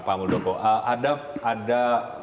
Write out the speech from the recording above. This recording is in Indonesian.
pak muldoko ada